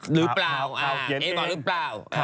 หรือเปล่าเอบอกหรือเปล่า